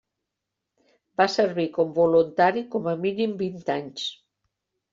Va servir com voluntari com a mínim vint anys.